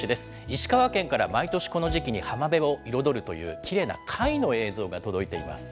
石川県から、毎年この時期に浜辺を彩るというきれいな貝の映像が届いています。